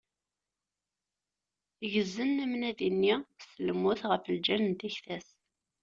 Ggzen amnadi-nni s lmut ɣef lǧal n tikta-s.